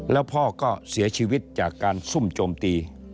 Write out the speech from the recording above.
แล้วพ่อก็เสียชีวิตจากการซุ่มโจมตี